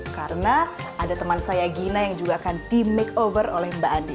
karena ada teman saya gina yang juga akan di make over oleh mbak andi